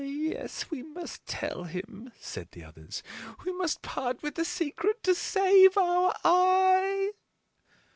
"Ah, yes, we must tell him," said the others. "We must part with the secret to save our eye."